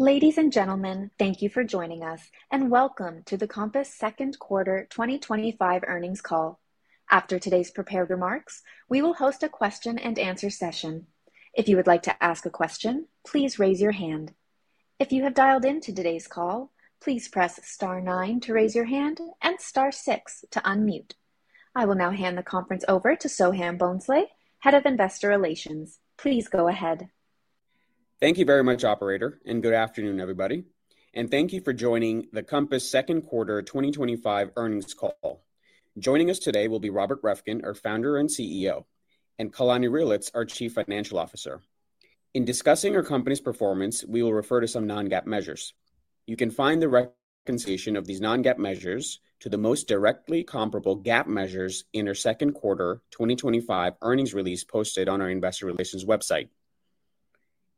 Ladies and Gentlemen, thank you for joining us and welcome to the Compass second quarter 2025 earnings call. After today's prepared remarks, we will host a Question and Answer session. If you would like to ask a question, please raise your hand. If you have dialed in to today's call, please press Star 9 to raise your hand and Star 6 to unmute. I will now hand the conference over to Soham Bhonsle, Head of Investor Relations. Please go ahead. Thank you very much, Operator, and good afternoon, everybody, and thank you for joining the Compass second quarter 2025 earnings call. Joining us today will be Robert Reffkin, our Founder and CEO, and Kalani Reelitz, our Chief Financial Officer. In discussing our company's performance, we will refer to some Non-GAAP measures. You can find the reconciliation of these Non-GAAP measures to the most directly comparable GAAP measures in our second quarter 2025 earnings release posted on our Investor Relations website.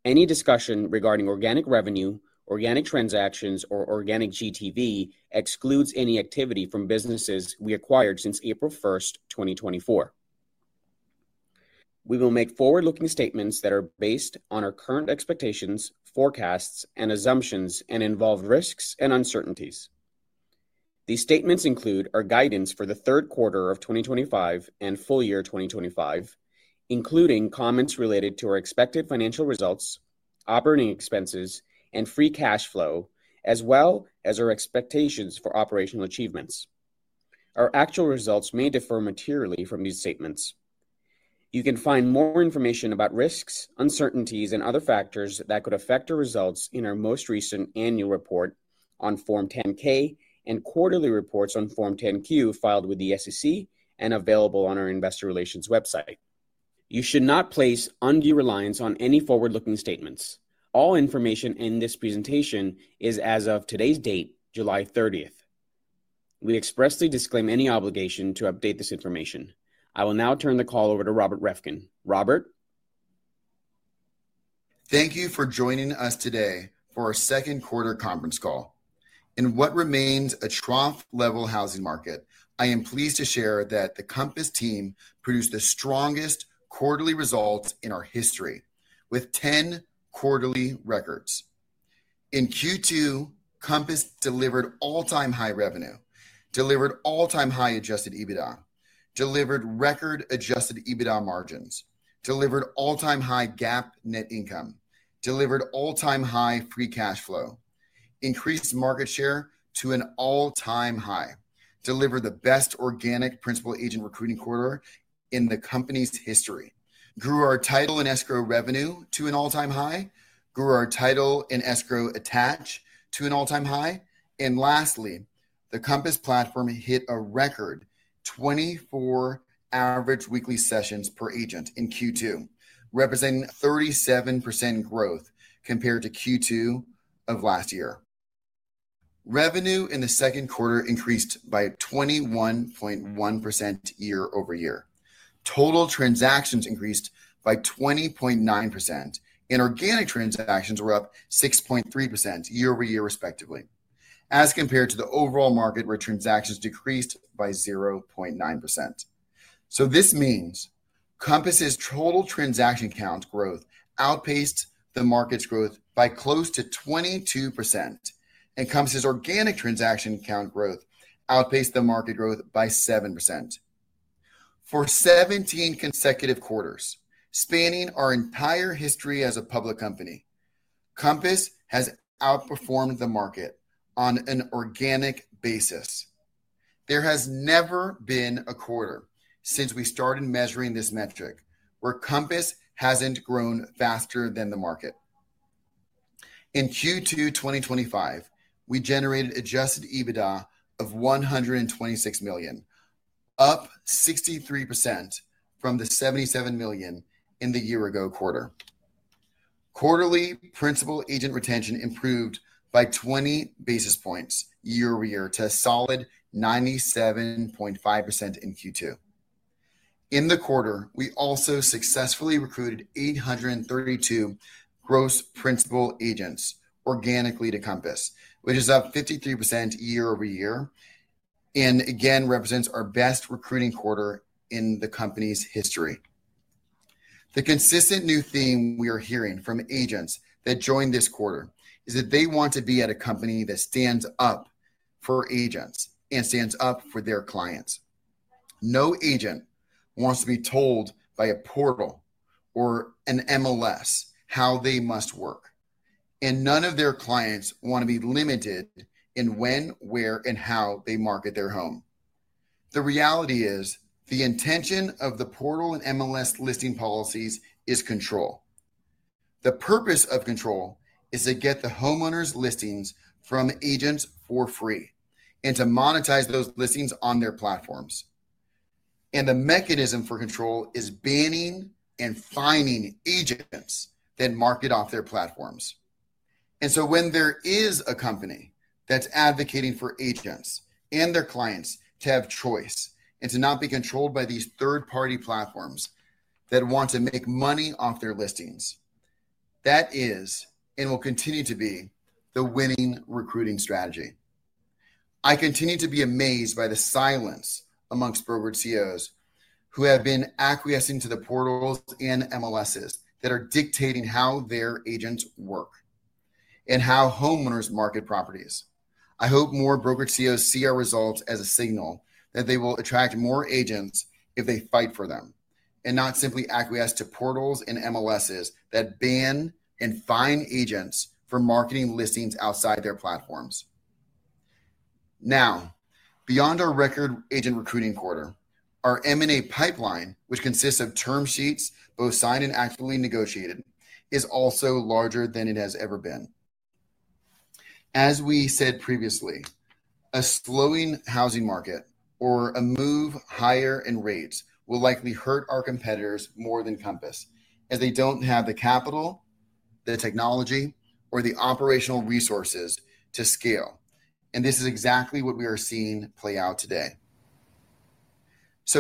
Any discussion regarding organic revenue, organic transactions, or organic GTV excludes any activity from businesses we acquired since April 1, 2024. We will make forward-looking statements that are based on our current expectations, forecasts, and assumptions and involve risks and uncertainties. These statements include our guidance for the third quarter of 2025 and full year 2025, including comments related to our expected financial results, operating expenses, and Free Cash Flow, as well as our expectations for operational achievements. Our actual results may differ materially from these statements. You can find more information about risks, uncertainties, and other factors that could affect our results in our most recent annual report on Form 10-K and quarterly reports on Form 10-Q filed with the SEC and available on our Investor Relations website. You should not place undue reliance on any forward-looking statements. All information in this presentation is as of today's date, July 30th. We expressly disclaim any obligation to update this information. I will now turn the call over to Robert Reffkin. Robert. Thank you for joining us today for our second quarter conference call in what remains a trough level housing market. I am pleased to share that the Compass team produced the strongest quarterly results in our history with 10 quarterly records. In Q2, Compass delivered all-time high revenue, delivered all-time high Adjusted EBITDA, delivered record Adjusted EBITDA margins, delivered all-time high GAAP net income, delivered all-time high Free Cash Flow, increased market share to an all-time high, delivered the best organic Principal Agent recruiting quarter in the company's history, grew our Title and Escrow revenue to an all-time high, grew our Title and escrow attach to an all-time high, and lastly, the Compass platform hit a record 24 average weekly sessions per agent in Q2, representing 37% growth compared to Q2 of last year. Revenue in the second quarter increased by 21.1% year over year. Total transactions increased by 20.9%, and organic transactions were up 6.3% year over year, respectively, as compared to the overall market where transactions decreased by 0.9%. This means Compass's total transaction count growth outpaced the market's growth by close to 22%. Compass's organic transaction count growth outpaced the market growth by 7% for 17 consecutive quarters. Spanning our entire history as a public company, Compass has outperformed the market on an organic basis. There has never been a quarter since we started measuring this metric where Compass hasn't grown faster than the market. In Q2 2025, we generated Adjusted EBITDA of $126 million, up 63% from the $77 million in the year-ago quarter. Quarterly Principal Agent retention improved by 20 basis points year over year to a solid 97.5% in Q2. In the quarter, we also successfully recruited 832 gross Principal Agents organically to Compass, which is up 53% year over year and again represents our best recruiting quarter in the company's history. The consistent new theme we are hearing from agents that joined this quarter is that they want to be at a company that stands up for agents and stands up for their clients. No agent wants to be told by a portal or an MLS how they must work, and none of their clients want to be limited in when, where, and how they market their home. The reality is the intention of the portal and MLS listing policies is control. The purpose of control is to get the homeowners' listings from agents for free and to monetize those listings on their platforms. The mechanism for control is banning and fining agents that market off their platforms. When there is a company that's advocating for agents and their clients to have choice and to not be controlled by these third-party platforms that want to make money off their listings, that is and will continue to be the winning recruiting strategy. I continue to be amazed by the silence amongst brokerage CEOs who have been acquiescing to the portals and MLSs that are dictating how their agents work and how homeowners market properties. I hope more brokerage CEOs see our results as a signal that they will attract more agents if they fight for them and not simply acquiesce to portals and MLSs that ban and fine agents for marketing listings outside their platforms. Now, beyond our record agent recruiting quarter, our M&A pipeline, which consists of term sheets both signed and actually negotiated, is also larger than it has ever been. As we said previously, a slowing housing market or a move higher in rates will likely hurt our competitors more than Compass as they don't have the capital, the technology, or the operational resources to scale. This is exactly what we are seeing play out today.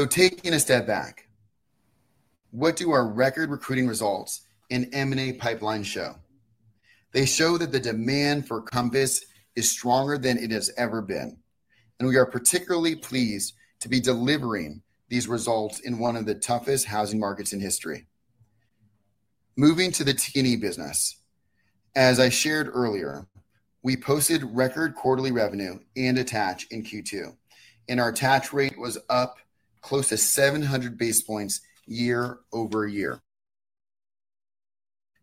Taking a step back, what do our record recruiting results and M&A pipeline show? They show that the demand for Compass is stronger than it has ever been and we are particularly pleased to be delivering these results in one of the toughest housing markets in history. Moving to the Title and Escrow business, as I shared earlier, we posted record quarterly revenue and attach in Q2 and our attach rate was up close to 700 basis points year over year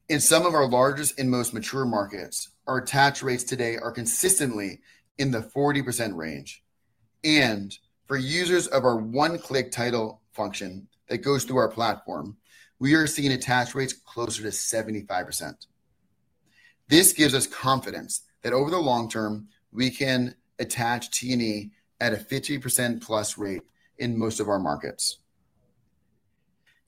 in some of our largest and most mature markets. Our attach rates today are consistently in the 40% range and for users of our One-Click Title feature that goes through our platform, we are seeing attach rates closer to 75%. This gives us confidence that over the long term we can attach title and escrow at a 50%+ rate in most of our markets.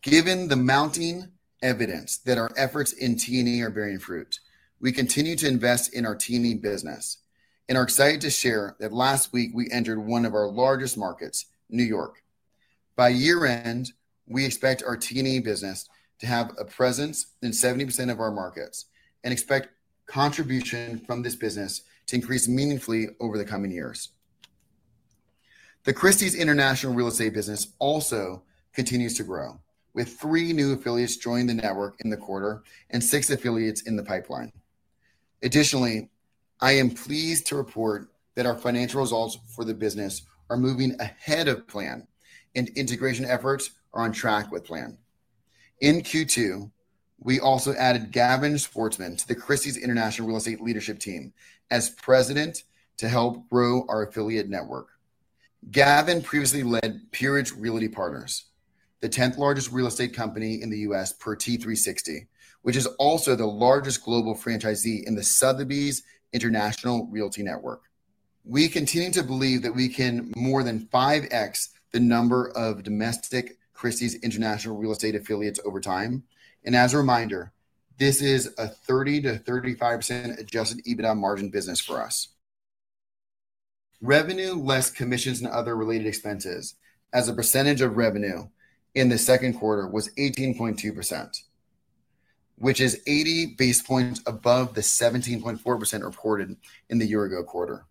Given the mounting evidence that our efforts in title and escrow are bearing fruit, we continue to invest in our title and escrow business and are excited to share that last week we entered one of our largest markets, New York. By year end, we expect our title and escrow business to have a presence in 70% of our markets and expect contribution from this business to increase meaningfully over the coming years. The Christie's International Real Estate business also continues to grow with three new affiliates joining the network in the quarter and six affiliates in the pipeline. Additionally, I am pleased to report that our financial results for the business are moving ahead of plan and integration efforts are on track with plan in Q2. We also added Gavin Swartzman to the Christie's International Real Estate leadership team as President to help grow our affiliate network. Gavin previously led Peerage Realty Partners, the 10th largest real estate company in the U.S. per T3 Sixty, which is also the largest global franchisee in the Sotheby's International Realty network. We continue to believe that we can more than 5x the number of domestic Christie's International Real Estate affiliates over time. As a reminder, this is a 30% to 35% Adjusted EBITDA margin business for U.S. revenue. Less commissions and other related expenses as a percentage of revenue in the second quarter was 18.2%, which is 80 bps above the 17.4% reported in the year-ago quarter.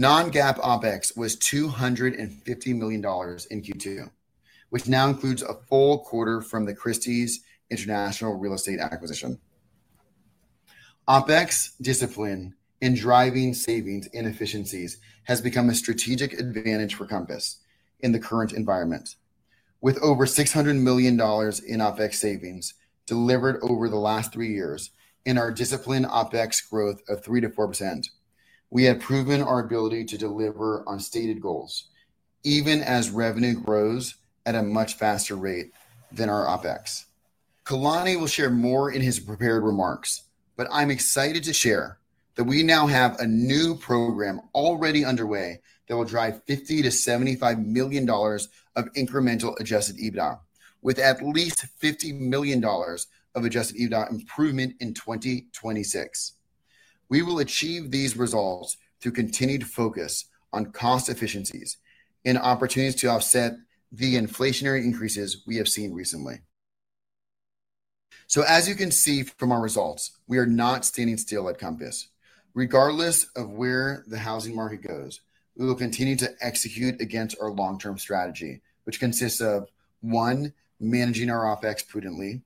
Non-GAAP OpEx was $250 million in Q2, which now includes a full quarter from the Christie's International Real Estate acquisition. OpEx discipline in driving savings and efficiencies has become a strategic advantage for Compass in the current environment. With over $600 million in OpEx savings delivered over the last three years and our disciplined OpEx growth of 3% to 4%, we have proven our ability to deliver on stated goals even as revenue grows at a much faster rate than our OpEx. Kalani will share more in his prepared remarks, but I'm excited to share that we now have a new program already underway that will drive $50 million to $75 million of incremental Adjusted EBITDA with at least $50 million of Adjusted EBITDA improvement in 2026. We will achieve these results through continued focus on cost efficiencies and opportunities to offset the inflationary increases we have seen recently. As you can see from our results, we are not standing still at Compass. Regardless of where the housing market goes, we will continue to execute against our long-term strategy, which consists of 1. managing our OpEx prudently,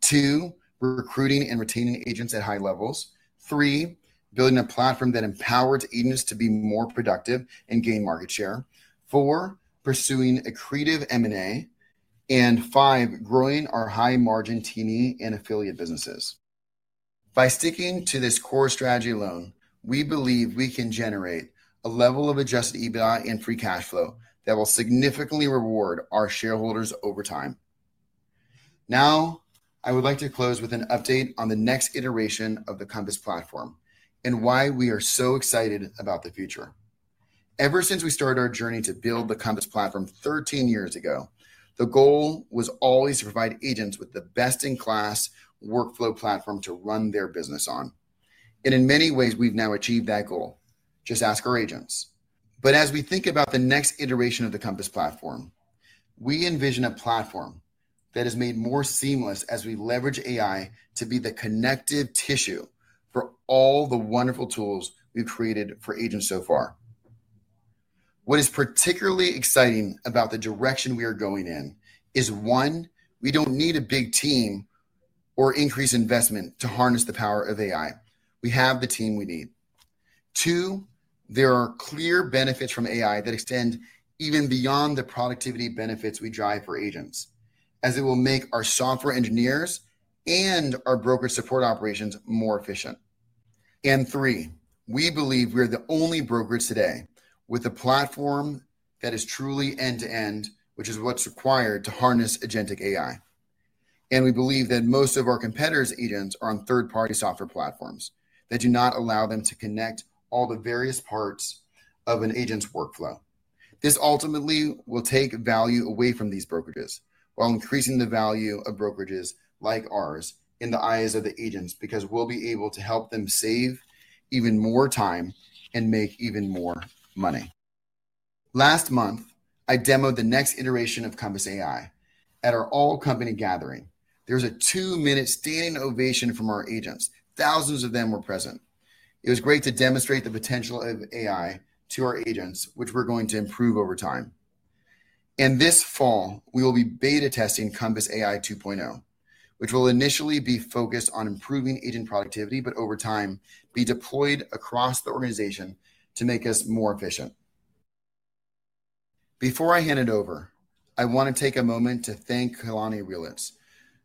2. recruiting and retaining agents at high levels, 3. building a platform that empowers agents to be more productive and gain market share, 4. pursuing accretive M&A, and 5. growing our high-margin, T&E and affiliate businesses. By sticking to this core strategy, we believe we can generate a level of Adjusted EBITDA and Free Cash Flow that will significantly reward our shareholders over time. Now I would like to close with an update on the next iteration of the Compass platform and why we are so excited about the future. Ever since we started our journey to build the Compass platform 13 years ago, the goal was always to provide agents with the best-in-class workflow platform to run their business on, and in many ways we've now achieved that goal. Just ask our agents. As we think about the next iteration of the Compass platform, we envision a platform that is made more seamless as we leverage AI to be the connective tissue for all the wonderful tools we've created for agents so far. What is particularly exciting about the direction we are going in is, one, we don't need a big team or increased investment to harness the power of AI. We have the team we need. Two, there are clear benefits from AI that extend even beyond the productivity benefits we drive for agents, as it will make our software engineers and our broker support operations more efficient. Three, we believe we're the only brokerage today with a platform that is truly end-to-end, which is what's required to harness Agentic AI. We believe that most of our competitors' agents are on third-party software platforms that do not allow them to connect all the various parts of an agent's workflow. This ultimately will take value away from these brokerages while increasing the value of brokerages like ours in the eyes of the agents because we'll be able to help them save even more time and make even more money. Last month I demoed the next iteration of Compass AI at our all-company gathering. There was a two-minute standing ovation from our agents. Thousands of them were present. It was great to demonstrate the potential of AI to our agents, which we're going to improve over time. This fall we will be beta testing Compass AI 2.0, which will initially be focused on improving agent productivity but over time be deployed across the organization to make us more efficient. Before I hand it over, I want to take a moment to thank Kalani Reelitz,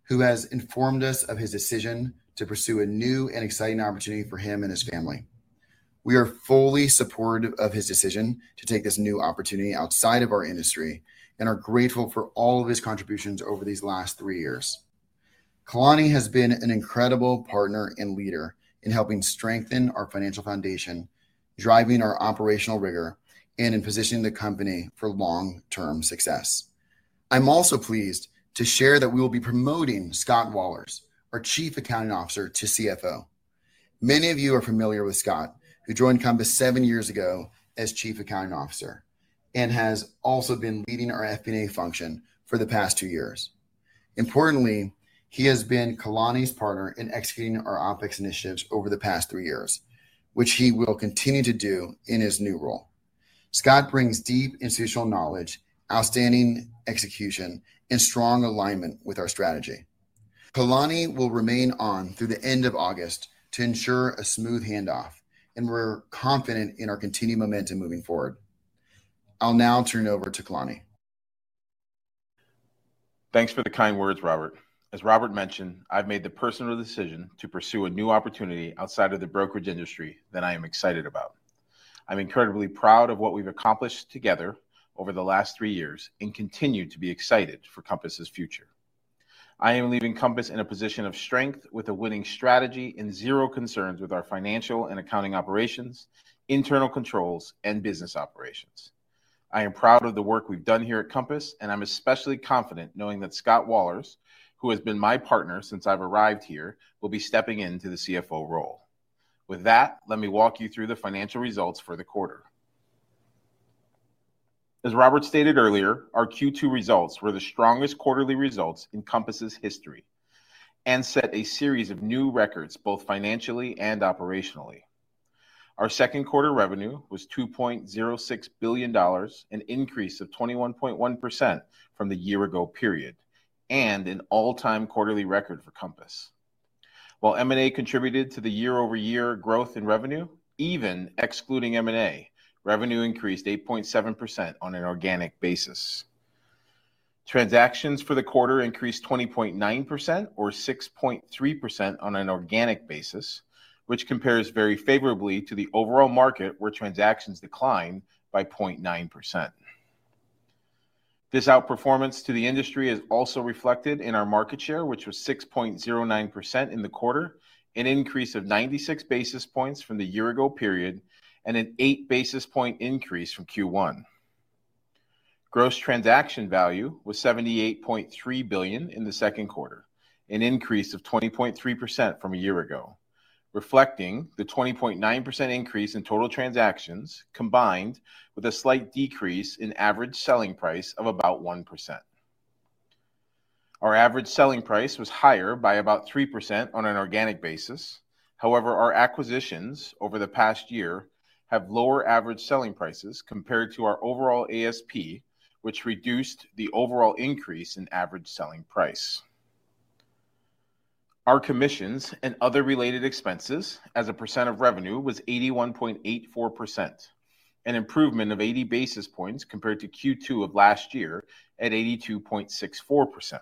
who has informed us of his decision to pursue a new and exciting. Opportunity for him and his family. We are fully supportive of his decision to take this new opportunity outside of our industry and are grateful for all of his contributions over these last three years. Kalani has been an incredible partner and leader in helping strengthen our financial foundation, driving our operational rigor, and in positioning the company for long-term success. I'm also pleased to share that we will be promoting Scott Wahlers, our Chief Accounting Officer, to CFO. Many of you are familiar with Scott, who joined Compass seven years ago as Chief Accounting Officer and has also been leading our FP&A function for the past two years. Importantly, he has been Kalani's partner in executing our OpEx initiatives over the past three years, which he will continue to do in his new role. Scott brings deep institutional knowledge, outstanding execution, and strong alignment with our strategy. Kalani will remain on through the end of August to ensure a smooth handoff, and we're confident in our continued momentum moving forward. I'll now turn it over to Kalani. Thanks for the kind words, Robert. As Robert mentioned, I've made the personal decision to pursue a new opportunity outside of the brokerage industry that I am excited about. I'm incredibly proud of what we've accomplished together over the last three years and continue to be excited for Compass's future. I am leaving Compass in a position of strength with a winning strategy and zero concerns with our financial and accounting operations, internal controls, and business operations. I am proud of the work we've done here at Compass and I'm especially confident knowing that Scott Wahlers, who has been my partner since I've arrived here, will be stepping into the CFO role. With that, let me walk you through the financial results for the quarter. As Robert stated earlier, our Q2 results were the strongest quarterly results in Compass's history and set a series of new records both financially and operationally. Our second quarter revenue was $2.06 billion, an increase of 21.1% from the year ago period and an all-time quarterly record for Compass. While M&A contributed to the year-over-year growth in revenue, even excluding M&A, revenue increased 8.7% on an organic basis. Transactions for the quarter increased 20.9% or 6.3% on an organic basis, which compares very favorably to the overall market where transactions declined by 0.9%. This outperformance to the industry is also reflected in our market share, which was 6.09% in the quarter, an increase of 96 basis points from the year ago period and an 8 basis point increase from Q1. Gross transaction value was $78.3 billion in the second quarter, an increase of 20.3% from a year ago, reflecting the 20.9% increase in total transactions combined with a slight decrease in average selling price of about 1%. Our average selling price was higher by about 3% on an organic basis. However, our acquisitions over the past year have lower average selling prices compared to our overall ASP, which reduced the overall increase in average selling price. Our commissions and other related expenses as a percent of revenue was 81.84%, an improvement of 80 basis points compared to Q2 of last year at 82.64%.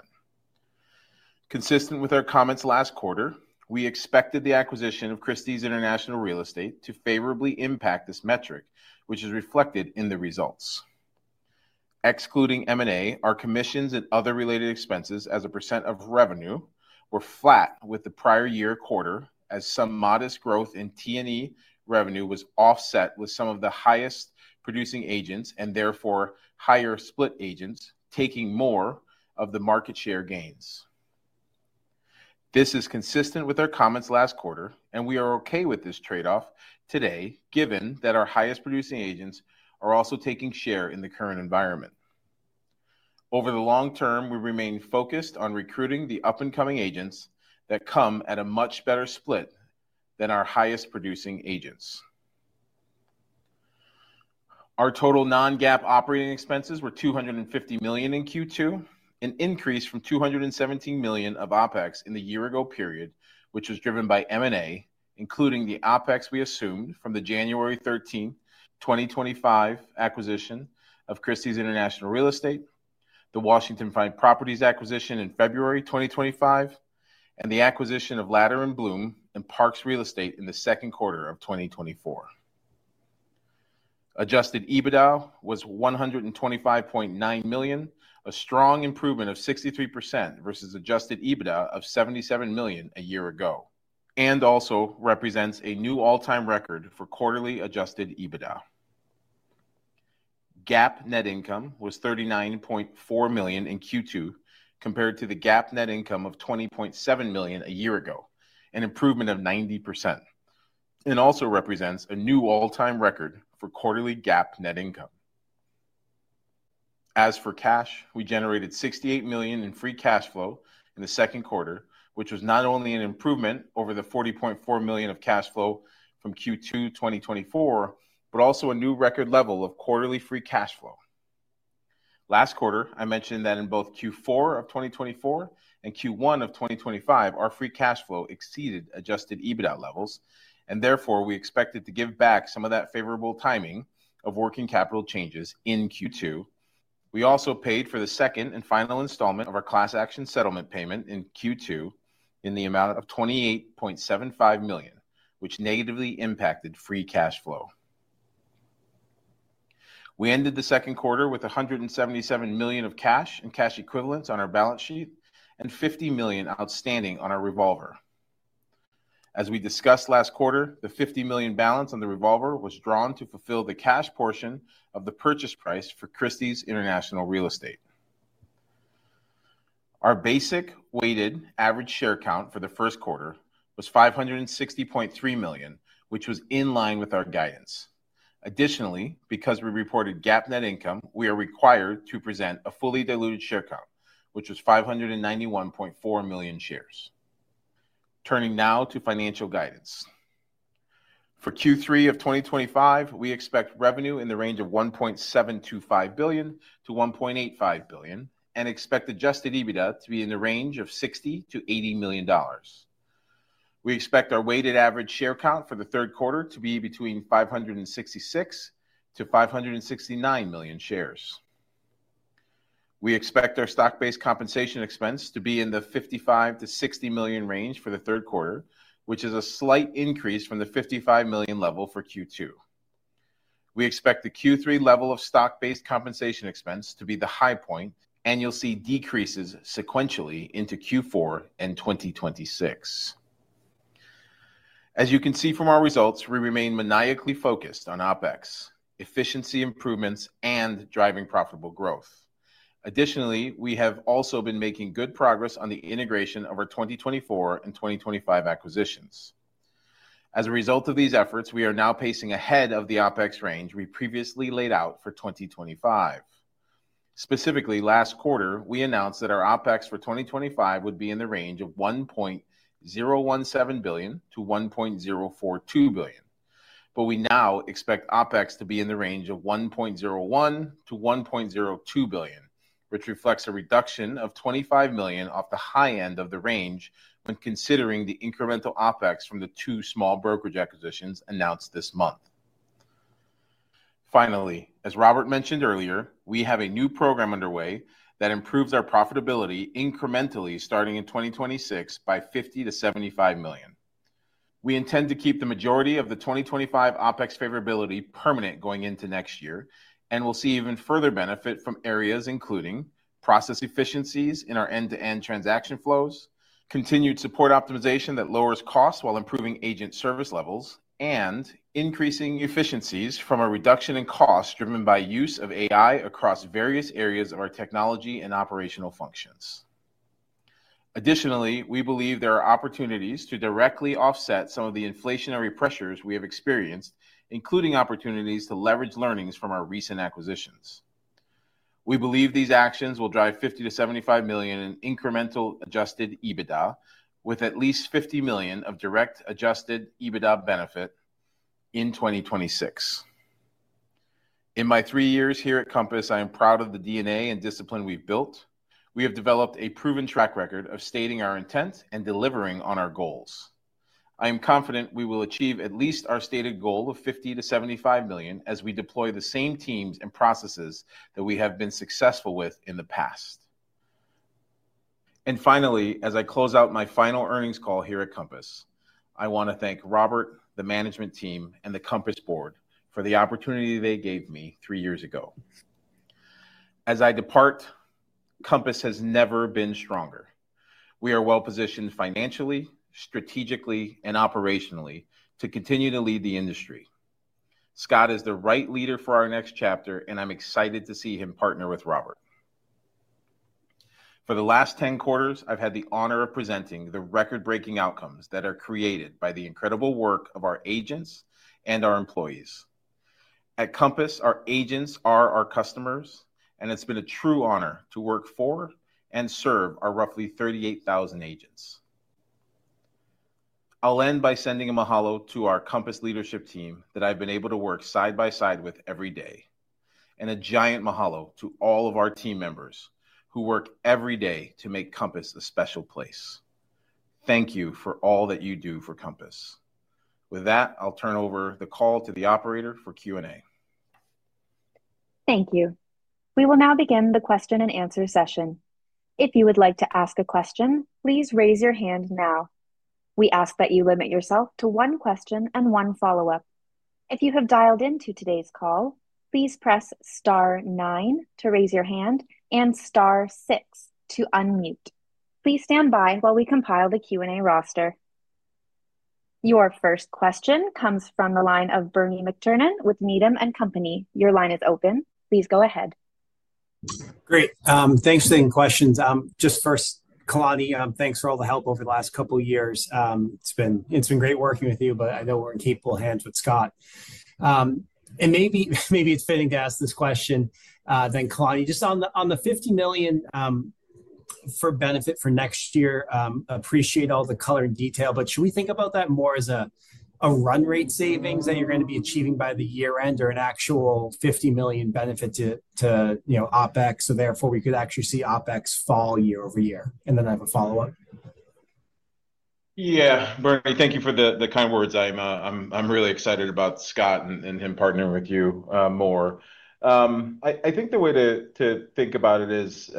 Consistent with our comments last quarter, we expected the acquisition of Christie's International Real Estate to favorably impact this metric, which is reflected in the results. Excluding M&A, our commissions and other related expenses as a percent of revenue were flat with the prior year quarter. Some modest growth in T&E revenue was offset with some of the highest producing agents and therefore higher split agents taking more of the market share gains. This is consistent with our comments last quarter, and we are okay with this trade-off today given that our highest producing agents are also taking share in the current environment. Over the long term, we remain focused on recruiting the up-and-coming agents that come at a much better split than our highest producing agents. Our total Non-GAAP operating expenses were $250 million in Q2, an increase from $217 million of OpEx in the year-ago period, which was driven by M&A, including the OpEx we assumed from the January 13, 2025 acquisition of Christie's International Real Estate, the Washington Fine Properties acquisition in February 2025, and the acquisition of Latter & Blum and Parks Realty in the second quarter of 2024. Adjusted EBITDA was $125.9 million, a strong improvement of 63% versus Adjusted EBITDA of $77 million a year ago and also represents a new all-time record for quarterly Adjusted EBITDA. GAAP net income was $39.4 million in Q2 compared to the GAAP net income of $20.7 million a year ago, an improvement of 90% and also represents a new all-time record for quarterly GAAP net income. As for cash, we generated $68 million in Free Cash Flow in the second quarter, which was not only an improvement over the $40.4 million of cash flow from Q2 2024 but also a new record level of quarterly Free Cash Flow. Last quarter, I mentioned that in both Q4 of 2024 and Q1 of 2025, our Free Cash Flow exceeded Adjusted EBITDA levels, and therefore we expected to give back some of that favorable timing of working capital changes in Q2. We also paid for the second and final installment of our class action settlement payment in Q2 in the amount of $28.75 million, which negatively impacted Free Cash Flow. We ended the second quarter with $177 million of cash and cash equivalents on our balance sheet and $50 million outstanding on our revolver. As we discussed last quarter, the $50 million balance on the revolver was drawn to fulfill the cash portion of the purchase price for Christie's International Real Estate. Our basic weighted average share count for the first quarter was 560.3 million, which was in line with our guidance. Additionally, because we reported GAAP net income, we are required to present a fully diluted share count, which was 591.4 million shares. Turning now to financial guidance for Q3 of 2025, we expect revenue in the range of $1.725 billion to $1.85 billion and expect Adjusted EBITDA to be in the range of $60 million to $80 million. We expect our weighted average share count for the third quarter to be between 566 million to 569 million shares. We expect our stock-based compensation expense to be in the $55 million to $60 million range for the third quarter, which is a slight increase from the $55 million level for Q2. We expect the Q3 level of stock-based compensation expense to be the high point, and you'll see decreases sequentially into Q4 and 2026. As you can see from our results, we remain maniacally focused on OpEx efficiency improvements and driving profitable growth. Additionally, we have also been making good progress on the integration of our 2024 and 2025 acquisitions. As a result of these efforts, we are now pacing ahead of the OpEx range we previously laid out for 2025. Specifically, last quarter we announced that our OpEx for 2025 would be in the range of $1.017 billion to $1.042 billion, but we now expect OpEx to be in the range of $1.01 billion to $1.02 billion, which reflects a reduction of $25 million off the high end of the range when considering the incremental OpEx from the two small brokerage acquisitions announced this month. Finally, as Robert mentioned earlier, we have a new program underway that improves our profitability incrementally starting in 2026 by $50 million to $75 million. We intend to keep the majority of the 2025 OpEx favorability permanent going into next year and will see even further benefit from areas including process efficiencies in our end-to-end transaction flows, continued support optimization that lowers costs while improving agent service levels, and increasing efficiencies from a reduction in cost driven by use of AI across various areas of our technology and operational functions. Additionally, we believe there are opportunities to directly offset some of the inflationary pressures we have experienced, including opportunities to leverage learnings from our recent acquisitions. We believe these actions will drive $50 million to $75 million in incremental Adjusted EBITDA with at least $50 million of direct Adjusted EBITDA benefit in 2026. In my three years here at Compass, I am proud of the DNA and discipline we've built. We have developed a proven track record of stating our intent and delivering on our goals. I am confident we will achieve at least our stated goal of $50 to $75 million as we deploy the same teams and processes that we have been successful with in the past. Finally, as I close out my. Final earnings call here at Compass, I want to thank Robert, the management team, and the Compass Board for the opportunity they gave me three years ago. As I depart, Compass has never been stronger. We are well positioned financially, strategically, and operationally to continue to lead the industry. Scott is the right leader for our next chapter, and I'm excited to see him partner with Robert. For the last 10 quarters, I've had the honor of presenting the record-breaking outcomes that are created by the incredible work of our agents and our employees at Compass. Our agents are our customers, and it's been a true honor to work for and serve our roughly 38,000 agents. I'll end by sending a mahalo to our Compass leadership team that I've been able to work side by side with every day. A giant mahalo to all of our team members who work every day to make Compass a special place. Thank you for all that you do for Compass. With that, I'll turn over the call to the operator for Q&A. Thank you. We will now begin the question and answer session. If you would like to ask a question, please raise your hand. Now, we ask that you limit yourself to one question and one follow up. If you have dialed into today's call, please press *9 to raise your hand and *6 to unmute. Please stand by while we compile the Q&A roster. Your first question comes from the line of Bernie McTernan with Needham & Company. Your line is open. Please go ahead. Great. Thanks for taking questions. First, Kalani, thanks for all the help over the last couple years. It's been great working with you. I know we're in capable hands with Scott, and maybe it's fitting to ask this question. Kalani, just on the $50 million benefit for next year, appreciate all the color and detail, but should we think about that more as a run rate savings that you're going to be achieving by year end or an actual $50 million benefit to OpEx? Therefore, we could actually see OpEx fall year over year. I have a follow up. Yeah, Bernie, thank you for the kind words. I'm really excited about Scott and him partnering with you more. I think the way to think about it is,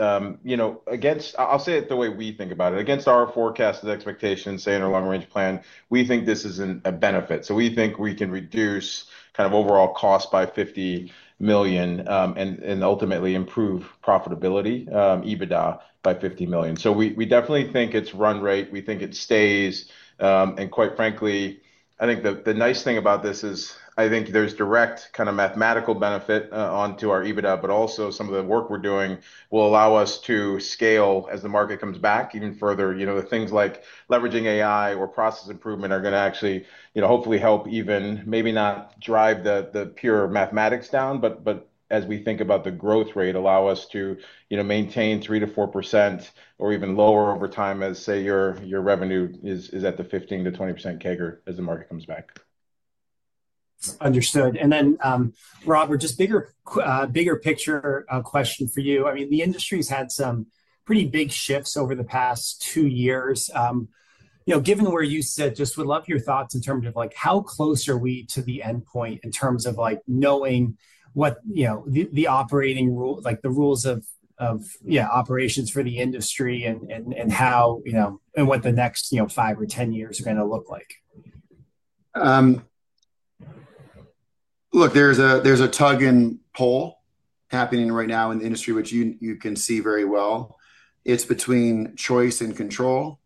you know, against, I'll say it the way we think about it, against our forecasted expectations, say in our long range plan, we think this is a benefit. We think we can reduce kind of overall cost by $50 million and ultimately improve profitability EBITDA by $50 million. We definitely think it's run rate, we think it stays. Quite frankly, I think the nice thing about this is I think there's direct kind of mathematical benefit onto our EBITDA. Also, some of the work we're doing will allow us to scale as the market comes back even further. The things like leveraging AI or process improvement are going to actually hopefully help, even maybe not drive the pure mathematics down. As we think about the growth rate, allow us to maintain 3 to 4% or even lower over time as, say, your revenue is at the 15 to 20% CAGR as the market comes back. Understood. Robert, just bigger picture question for you. I mean the industry's had some pretty big shifts over the past two years, you know, given where you sit. Just would love your thoughts in terms of how close are we to the end point in terms of knowing what you know, the operating rule, the rules of operations for the industry, and what the next five or 10 years are. Going to look like. Look, there's a tug and pull happening right now in the industry which you can see very well. It's between choice and control.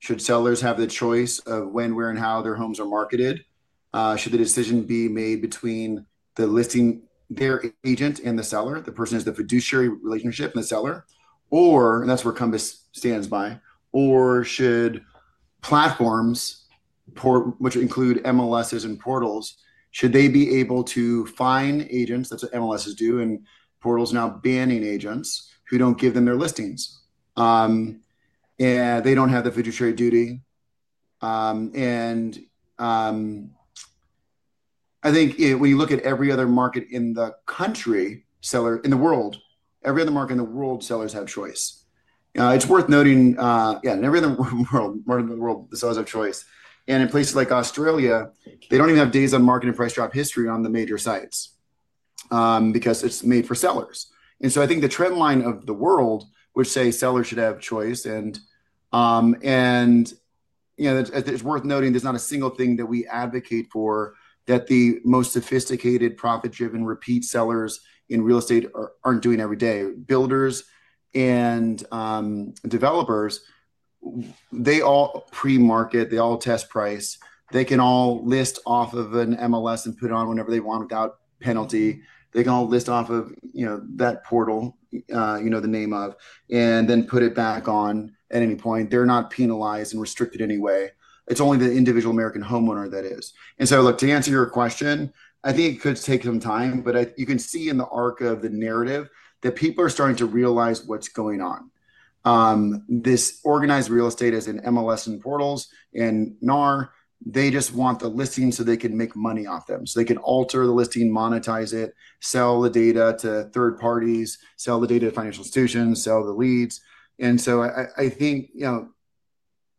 Should sellers have the choice of when, where, and how their homes are marketed? Should the decision be made between the listing, their agent, and the seller? The person is the fiduciary relationship and the seller. That's where Compass stands by. Should platforms, which include MLSs and portals, be able to find agents? That's what MLSs do, and portals are now banning agents who don't give them their listings, and they don't have the fiduciary duty. I think when you look at every other market in the world, sellers have choice. It's worth noting, in every other world market, sellers have choice. In places like Australia, they don't even have days on market and price drop history on the major sites because it's made for sellers. I think the trend line of the world would say sellers should have choice. It's worth noting there's not a single thing that we advocate for that the most sophisticated, profit-driven, repeat sellers in real estate aren't doing every day. Builders and developers, they all pre-market, they all test price. They can all list off of an MLS and put on whenever they want without penalty. They can all list off of, you know, that portal you know the name of, and then put it back on at any point. They're not penalized and restricted in any way. It's only the individual American homeowner that is. Look, to answer your question. I think it could take some time. You can see in the arc of the narrative that people are starting to realize what's going on. This organized real estate is in MLSs and portals and NAR. They just want the listing so they can make money off them, so they can alter the listing, monetize it, sell the data to third parties, sell the data to financial institutions, sell the leads. I think, you know,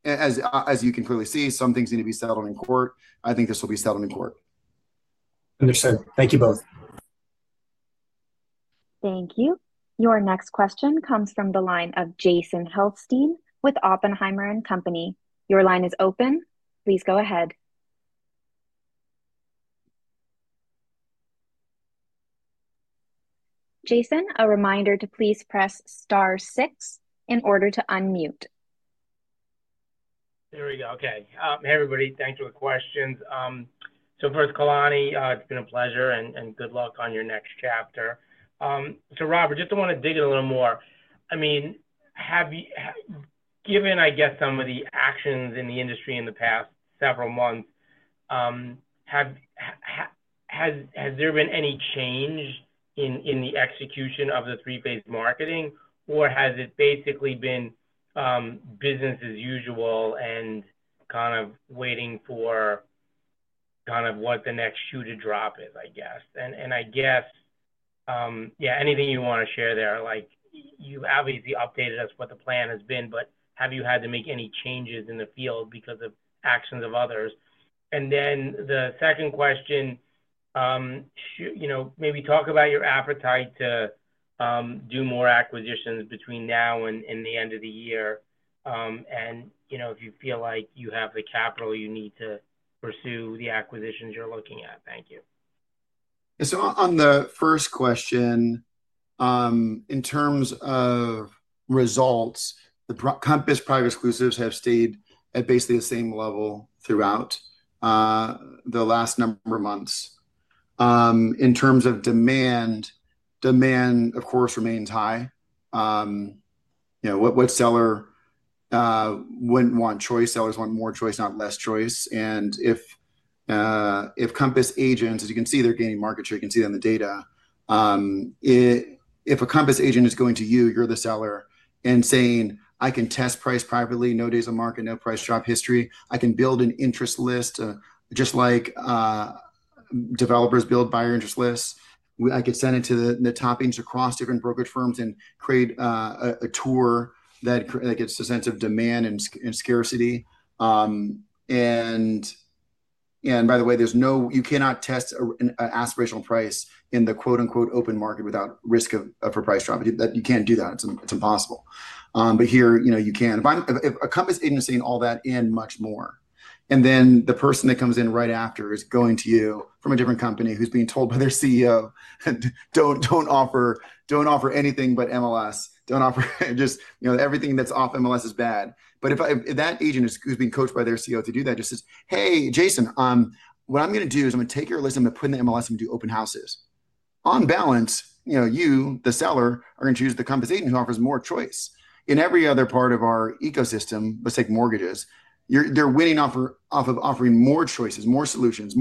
as. You can clearly see some things need to be settled in court. I think this will be settled in court. Understood, thank you both. Thank you. Your next question comes from the line of Jason Helfstein with Oppenheimer & Co. Your line is open. Please go ahead, Jason. A reminder to please press Star 6 in order to unmute. There we go. Okay. Hey everybody, thanks for the questions. First, Kalani, it's been a pleasure and good luck on your next chapter. Robert, just want to dig in a little more. Have you given, I guess, some of the actions in the industry in the past several months? Has there been any change in the execution of the Three Phase Marketing, or has it basically been business as usual and kind of waiting for what the next shoe to drop is? Anything you want to share there? You obviously updated us what the plan has been, but have you had to make any changes in the field because of actions of others? The second question, maybe talk about your appetite to do more acquisitions between now and the end of the year, and if you feel like you have the capital you need to pursue the acquisitions you're looking at. Thank you. On the first question, in terms of results, the Compass Private Exclusives have stayed at basically the same level throughout the last number of months in terms of demand. Demand, of course, remains high. You know, what seller wouldn't want choice? Sellers want more choice, not less choice. If Compass agents, as you can see, they're gaining market share, you can see in the data, if a Compass agent is going to you, you're the seller and saying, I can test price privately, no days on market, no price drop history. I can build an interest list just like developers build buyer interest lists. I could send it to the top agents across different brokerage firms and create a tour that gets a sense of demand and scarcity. By the way, you cannot test aspirational price in the "open market" without risk of a price drop. You can't do that. It's impossible. Here, you know, you can. If I'm a Compass agent and all that and much more. The person that comes in right after is going to you from a different company who's being told by their CEO, don't offer anything but MLS, don't offer just, you know, everything that's off MLS is bad. If that agent who's being coached by their CEO to do that just says, hey, Jason, what I'm going to do is I'm going to take your list, I'm going to put it in the MLS and do open houses. On balance, you know, you, the seller. Are going to choose the compensation who offers more choice. In every other part of our ecosystem, let's take mortgages. They're winning off of offering more choices, more solutions,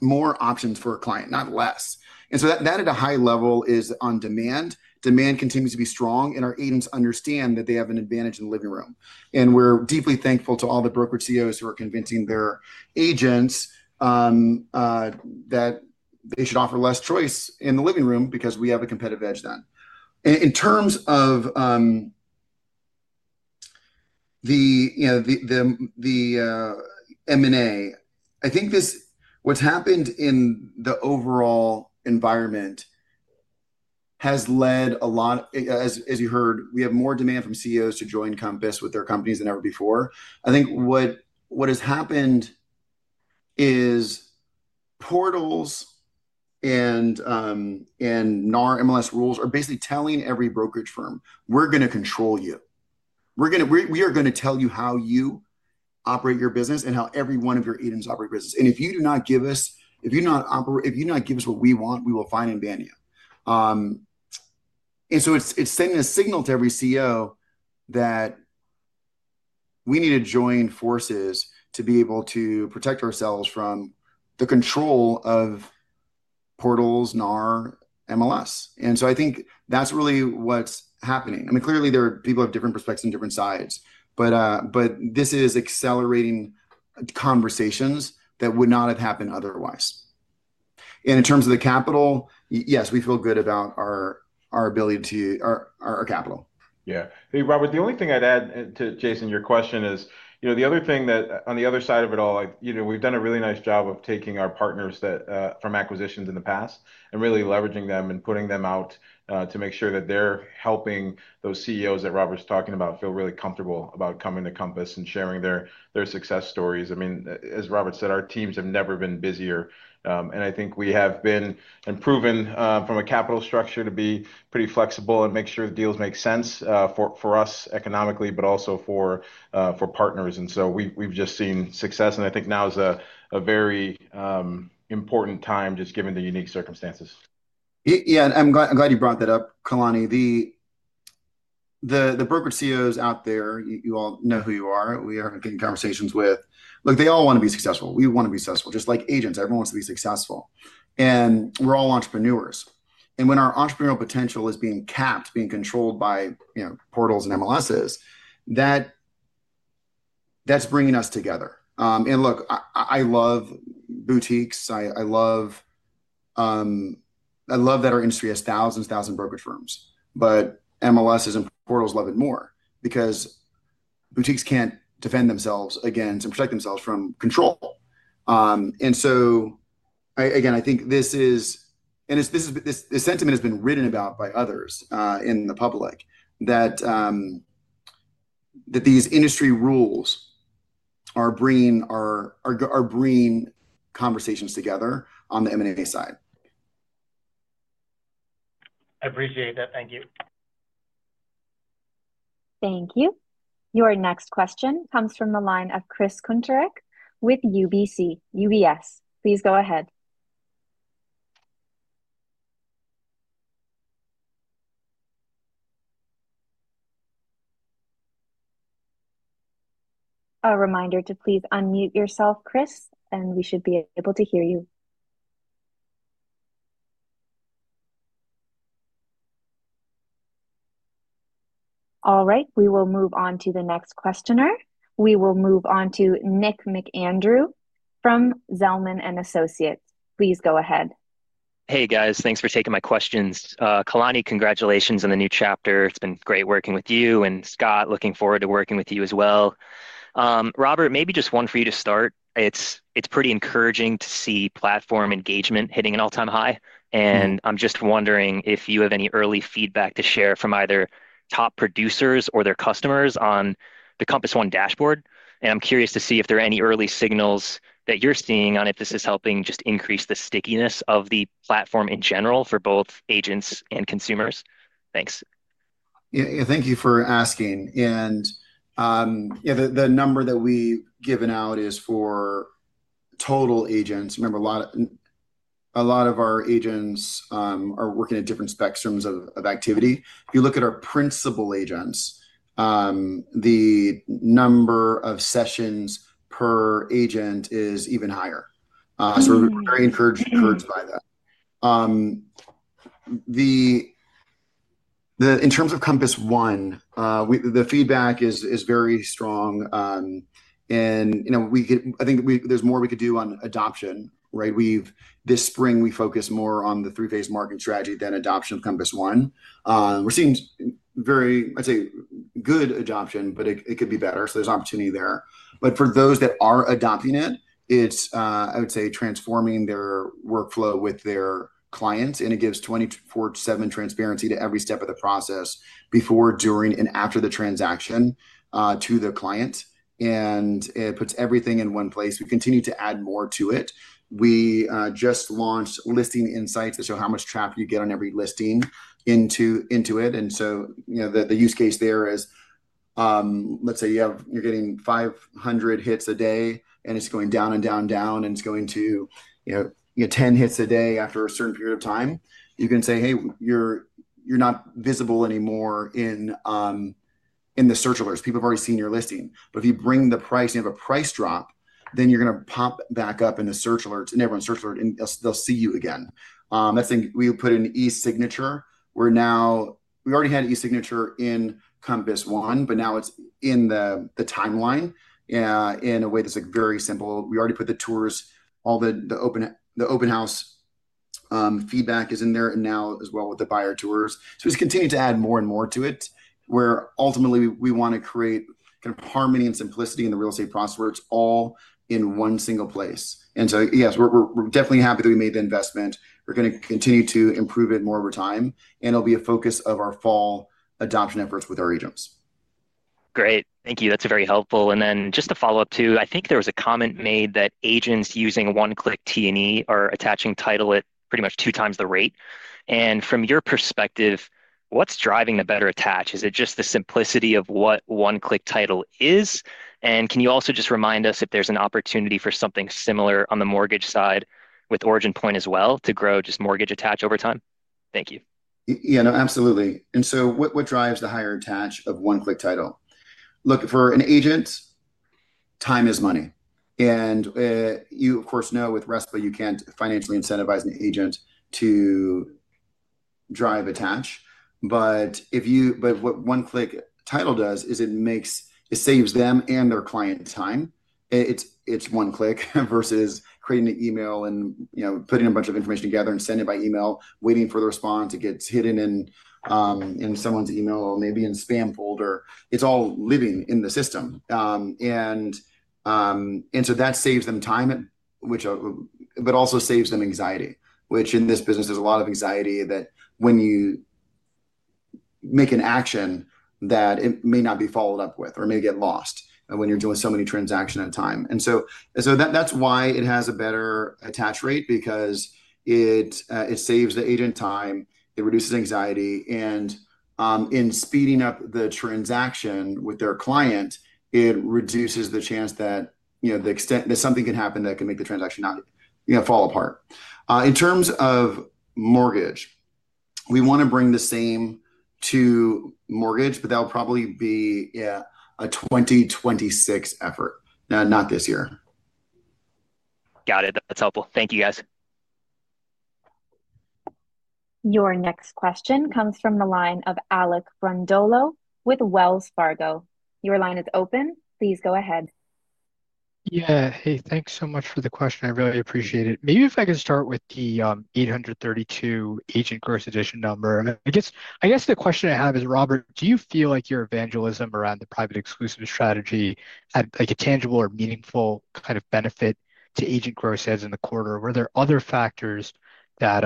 more options for a client, not less. That at a high level is on demand. Demand continues to be strong, and our agents understand that they have an advantage. In the living room. We're deeply thankful to all the brokerage CEOs who are convincing their agents that they should offer less choice in the living room because we have a competitive edge. In terms of. The M&A, I think this is what's happened. The overall environment has led a lot. As you heard, we have more demand from CEOs to join Compass with their companies than ever before. I think what has happened is portals and NAR MLS rules are basically telling every brokerage firm, we're going to control you. We are going to. Tell you how you operate your business and how every one of your items operates. If you do not give us. If you're not operating, if you're not. Give us what we want, we will find and ban you. It is sending a signal to every CEO that we need to join forces to be able to protect ourselves from the control of portals, NAR, MLSs. I think that's really what's happening. Clearly, people have different perspectives on different sides, but this is accelerating conversations that would not have happened otherwise. In terms of the capital, yes, we feel good about our ability to our capital. Yeah. Hey, Robert. The only thing I'd add to Jason, your question is, the other thing that on the other side of it all, we've done a really nice job of taking our partners from acquisitions in the past and really leveraging them and putting them out to make sure that they're helping those CEOs that Robert's talking about feel really comfortable about coming to Compass and sharing their success stories. I mean, as Robert said, our teams have never been busier. I think we have been improving from a capital structure to be pretty flexible and make sure deals make sense for us economically, but also for partners. We've just seen success. I think now is a very important time just given the unique circumstances. Yeah, I'm glad you brought that up, Kalani. The brokerage CEOs out there, you all know who you are. We are getting conversations with, look, they all want to be successful. We want to be successful. Just like agents, everyone wants to be successful and we're all entrepreneurs. When our entrepreneurial potential is being capped, being controlled by, you know, portals and MLSs, that's bringing us together. I love boutiques. I love that our industry has thousands, thousand brokerage firms, but MLSs and portals love it more because boutiques can't defend themselves against and protect themselves from control. I think this is, and this sentiment has been written about by others in the public. These. Industry rules are bringing conversations together on the M&A side. I appreciate that. Thank you. Thank you. Your next question comes from the line of Chris Kuntarich with UBS. Please go ahead. A reminder to please unmute yourself, Chris, and we should be able to hear you. All right, we will move on to the next questioner. We will move on to Nick McAndrew from Zelman & Associates. Please go ahead. Hey guys, thanks for taking my questions. Kalani, congratulations on the new chapter. It's been great working with you. Scott, looking forward to working with you as well. Robert, maybe just one for you to start. It's pretty encouraging to see platform engagement hitting an all-time high, and I'm just wondering if you have any early feedback to share from either top producers or their customers on the Compass One dashboard. I'm curious to see if there are any early signals that you're seeing on if this is helping just increase the stickiness of the platform in general for both agents and consumers. Thanks. Thank you for asking. The number that we've given out is for total agents. Remember, a lot of our agents are working at different spectrums of activity. If you look at our Principal Agents, the number of sessions per agent is even higher. We are very encouraged by that. In terms of Compass One, the feedback is very strong and you know, we could, I think there's more we could do on adoption. Right. This spring we focus more on the Three Phase Marketing strategy than adoption of Compass One. We're seeing very, I'd say, good adoption but it could be better. There is opportunity there. For those that are adopting it, I would say it's transforming their workflow with their clients. It gives 24/7 transparency to every step of the process, before, during, and after the transaction to the client. It puts everything in one place. We continue to add more to it. We just launched listing insights that show how much traffic you get on every listing. The use case there is, let's say you're getting 500 hits a day and it's going down and down and it's going to, you know, ten hits a day. After a certain period of time, you can say, hey, you're not visible anymore in the search alerts, people have already seen your listing, but if you bring the price, you have a price drop, then you're going to pop back up in the search alerts and everyone's search alert and they'll see you again. We put an E signature where now we already had E signature in Compass One, but now it's in the timeline in a way that's very simple. We already put the tours, all the open house feedback is in there now as well with the buyer tours. It's continuing to add more and more to it where ultimately we want to create kind of harmony and simplicity in the real estate process where it's all in one single place. Yes, we're definitely happy that we made the investment. We're going to continue to improve it more over time and it'll be a focus of our fall adoption efforts with our agents. Great, thank you, that's very helpful. Just to follow up too, I think there was a comment made that agents using One-Click Title are attaching title at pretty much two times the rate. From your perspective, what's driving the better attach? Is it just the simplicity of what One-Click Title is? Can you also just remind us if there's an opportunity for something similar on the mortgage side with OriginPoint as well to grow just mortgage attach over time? Thank you. Yeah, no, absolutely. What drives the higher attach of One-Click Title? For an agent, time is money. You, of course, know with RESPA you can't financially incentivize an agent to drive attach. If you. What One-Click Title does is it makes it saves them and their client time. It's one click versus creating an email and putting a bunch of information together and sending it by email, waiting for the response. It gets hidden in someone's email. Maybe in spam folder. It's all living in the system. That saves them time, but also saves them anxiety, which in this business, there's a lot of anxiety that when you make an action, it may not be followed up with or may get lost when you're doing so many transactions at a time. That's why it has a better attach rate because it saves the agent time, it reduces anxiety, and in speeding up the transaction with their client, it reduces the chance that to the extent that something can happen that can make the transaction fall apart. In terms of mortgage, we want to bring the same to mortgage, but that'll probably be a 2026 effort, not this year. Got it. That's helpful. Thank you, guys. Your next question comes from the line of Alec Brondolo with Wells Fargo. Your line is open. Please go ahead. Yeah, hey, thanks so much for the question. I really appreciate it. Maybe if I could start with the 832 agent gross addition number. The question I have is, Robert, do you feel like your evangelism around the private exclusive strategy had a tangible or meaningful kind of benefit to agent gross adds in the quarter? Were there other factors that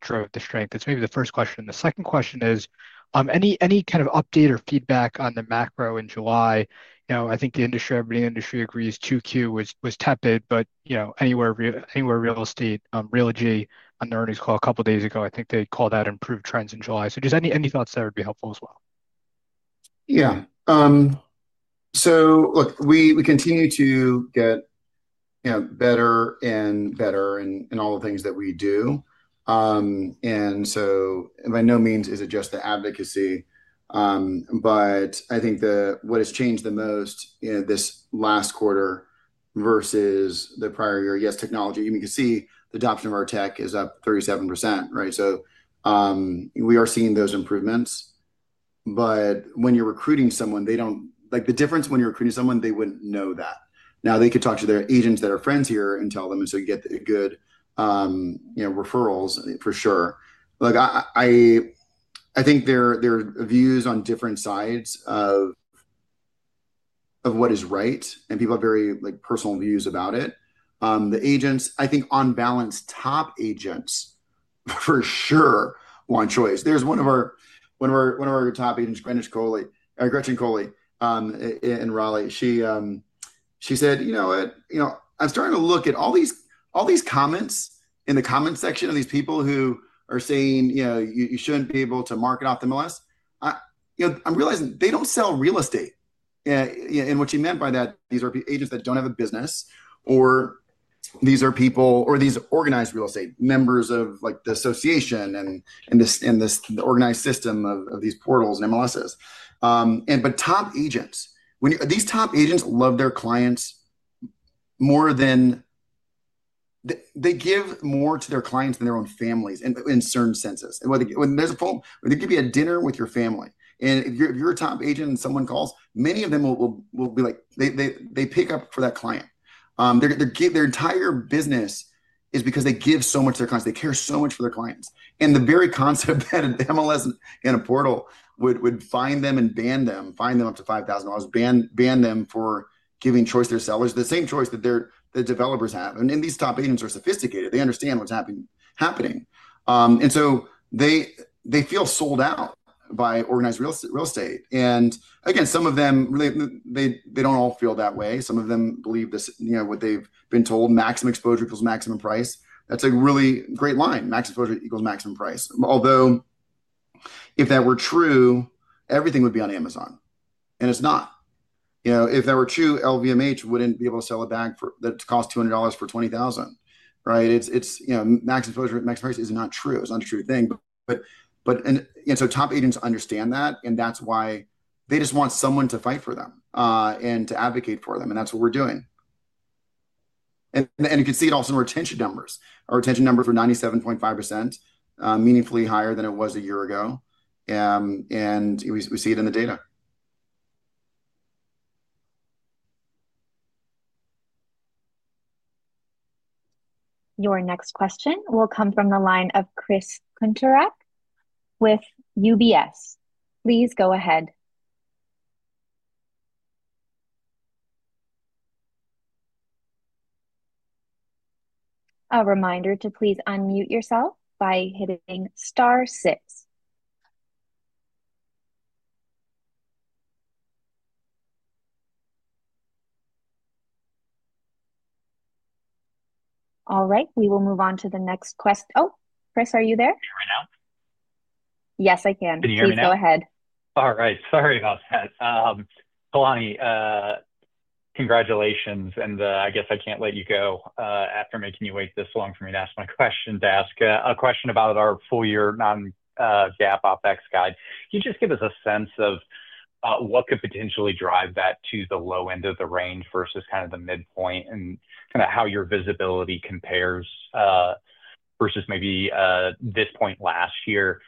drove the strength? That's maybe the first question. The second question is any kind of update or feedback on the macro in July? I think the industry, everybody in the industry agrees 2Q was tepid. You know, Anywhere Real Estate and Realogy on the earnings call a couple of days ago, I think they called out improved trends in July. Just any thoughts that would be helpful as well. Yeah. We continue to get better and better at all the things that we do. By no means is it just the advocacy, but I think what has changed the most this last quarter versus the prior year? Yes, technology. You can see the adoption of our tech is up 37%. We are seeing those improvements. When you're recruiting someone, they don't like the difference. When you're recruiting someone, they wouldn't know that now. They could talk to their agents that are friends here and tell them, and you get good referrals for sure. I think there are views on different sides of. Of what. Is right and people have very personal views about it. The agents, I think on balance, top agents for sure want choice. One of our top agents, Gretchen Coley in Raleigh, she said, you know what, you know, I'm starting to look at all these comments in the comments section of these people who are saying, you know, you shouldn't be able to market off the MLS. I'm realizing they don't sell real estate. What she meant by that, these are agents that don't have a business. Are these people or are these organized real estate members of the association? The organized system of these portals and MLSs, when these top agents love their clients more, they give more to their clients. Than their own families, in certain senses, when there's a problem. They give you a dinner with your family. If you're a top agent. Someone calls. Many of them will be. Like, they pick up for that client. Their entire business is because they give. They care so much for their clients. The very concept that an MLS in a portal would find them and ban them, fine them up to $5,000, ban them for giving choice to their sellers. The same choice that the developers have. These top agents are sophisticated. They understand what's happening, so they feel sold out by organized real estate. Some of them really do. Don't all feel that way. Some of them believe this. You know what they've been told, maximum exposure equals maximum price. That's a really great line. Max exposure equals maximum price. Although if that were true, everything would be on Amazon and it's not. If that were true, LVMH wouldn't be able to sell a bag that cost $200 for $20,000. Right. Max exposure maximus is not true. It's not a true thing. Top agents understand that, and that's why they just want someone to fight for them and to advocate for them. That's what we're doing. You can see it also in retention numbers. Our retention numbers were 97.5%, meaningfully higher than it was a year ago. We see it in the data. Your next question will come from the line of Chris Kuntarich with UBS. Please go ahead. A reminder to please unmute yourself by hitting star six. All right, we will move on to the next question. Oh, Chris, are you there right now? Yes, I can hear me now. Go ahead. All right, sorry about that, Kalani. Congratulations. I guess I can't let you go after making you wait this long for me to ask my question, to ask a question about our full year Non-GAAP OpEx guide. Can you just give us a sense of what could potentially drive that to the low end of the range versus the midpoint and how your visibility compares versus maybe this point last year?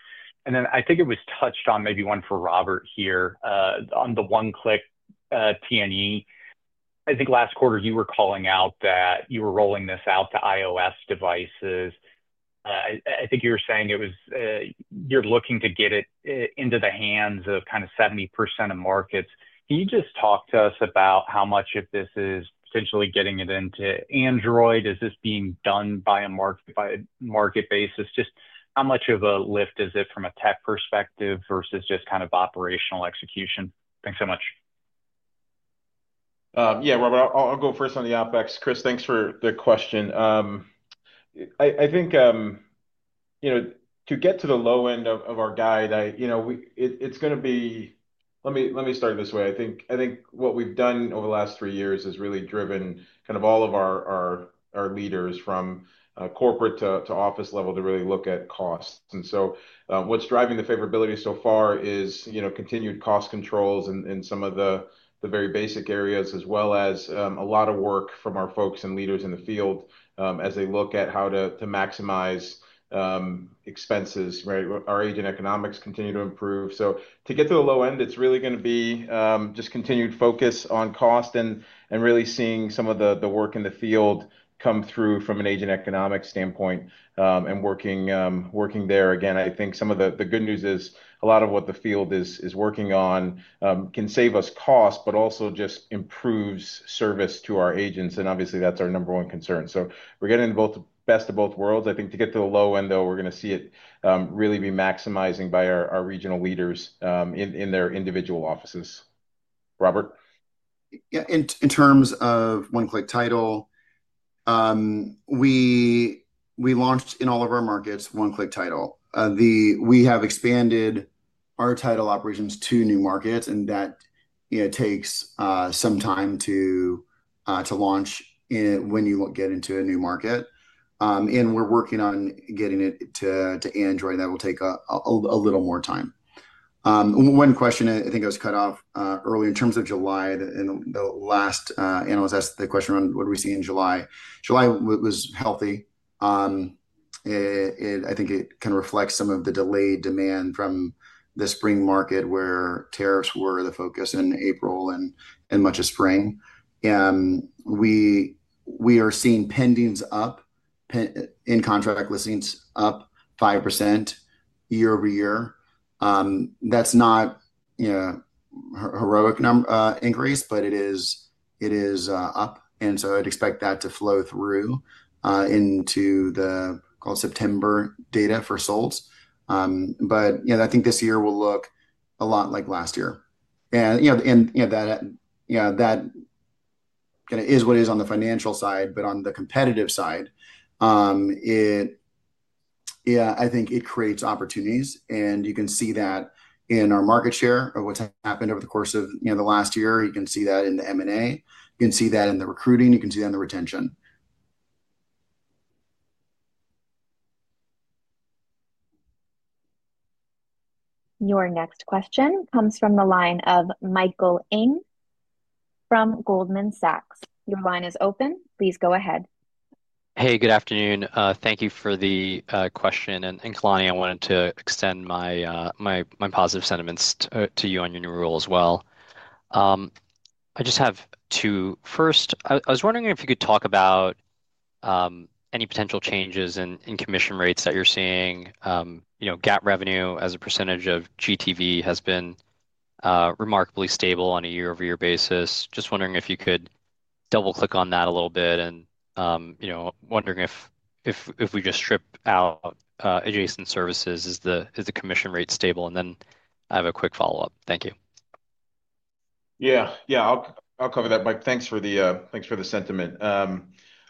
I think it was touched on, maybe one for Robert here on the One-Click Title. I think last quarter you were calling out that you were rolling this out to iOS devices. I think you were saying you were looking to get it into the hands of 70% of markets. Can you just talk to us about how much of this is potentially getting it into Android? Is this being done on a market-by-market basis? How much of a lift is it from a tech perspective versus just operational execution? Thanks so much. Yeah Robert, I'll go first on the OpEx. Chris, thanks for the question. I think to get to the low end of our guide it's going to be, let me start this way. I think what we've done over the last three years has really driven all of our leaders from corporate to office level to really look at costs, and what's driving the favorability so far is continued cost controls in some of the very basic areas as well as a lot of work from our folks and leaders in the field as they look at how to maximize expenses. Our agent economics continue to improve. To get to the low end it's really going to be just continued focus on cost and really seeing some of the work in the field come through from an agent economic standpoint and working there. I think some of the good news is a lot of what the field is working on can save us cost but also just improves service to our agents, and obviously that's our number one concern. We're getting the best of both worlds. I think to get to the low end though we're going to see it really be maximizing by our regional leaders in their individual offices. Robert? Yeah, in terms of One-Click Title, we launched in all of our markets One-Click Title. We have expanded our title operations to new markets, and that takes some time to launch when you get into a new market, and we're working on getting it to Android. That will take a little more time. One question, I think I was cut off earlier in terms of July. The last analyst asked the question on what do we see in July. July was healthy. I think it can reflect some of the delayed demand from the spring market where tariffs were the focus in April and much of spring. We. Are seeing pendings up and contract listings up 5% year over year. That's not a heroic increase, but it is up, and I'd expect that to flow through into the called September data for sold. I think this year will look a lot like last year, and that is what is on the financial side. On the competitive side, I think it creates opportunities. You can see that in our market share of what's happened over the course of the last year. You can see that in the M&A. You can see that in the recruiting, you can see that in the retention. Your next question comes from the line of Michael N from Goldman Sachs. Your line is open. Please go ahead. Hey, good afternoon. Thank you for the question. Kalani, I wanted to extend my positive sentiments to you on your new role as well. I just have two. First, I was wondering if you could talk about any potential changes in commission rates that you're seeing. You know, GAAP revenue as a percentage of GTV has been remarkably stable on a year-over-year basis. Just wondering if you could double click on that a little bit, and if we just strip out adjacent services, is the commission rate stable? I have a quick follow-up. Thank you. Yeah, I'll cover that. Thanks for the sentiment.